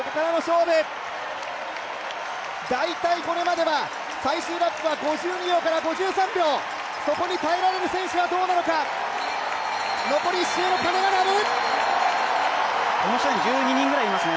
大体これまでは最終ラップは５２秒から５３秒、そこに耐えられる選手、どうなのか残り１周の鐘が鳴る。